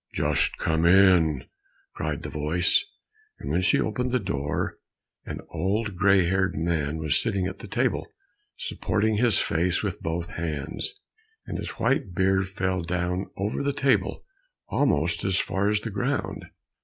"Just come in," cried the voice, and when she opened the door, an old gray haired man was sitting at the table, supporting his face with both hands, and his white beard fell down over the table almost as far as the ground.